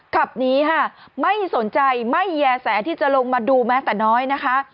ขับหนีค่ะไม่สนใจไม่แย่แสที่จะลงมาดูแม้แต่น้อยนะคะ